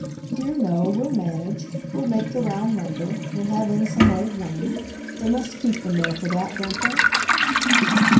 "Dear no we'll manage. We'll make the round number we'll have in some old woman. They must keep them there for that, don't they?"